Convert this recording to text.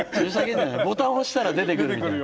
ボタン押したら出てくるみたいな。